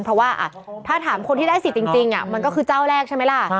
เพราะว่าถ้าถามคนที่ได้สิทธิ์จริงมันก็คือเจ้าแรกใช่ไหมล่ะ